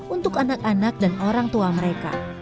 untuk anak anak dan orang tua mereka